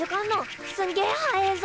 すんげえ速えぞ！